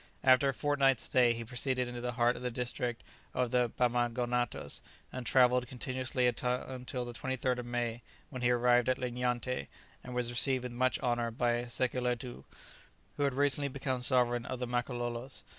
After a fortnight's stay, he proceeded into the heart of the district of the Bamangonatos, and travelled continuously until the 23rd of May, when he arrived at Linyanté, and was received with much honour by Sekeletoo, who had recently become sovereign of the Makalolos.